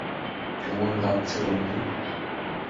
কেমন লাগছে, বন্ধু?